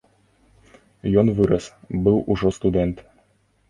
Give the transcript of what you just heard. Ён вырас, быў ужо студэнт.